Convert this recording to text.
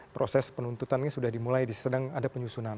proses penuntutannya sudah dimulai sedang ada penyusunan